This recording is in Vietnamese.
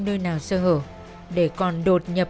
nơi nào sơ hở để còn đột nhập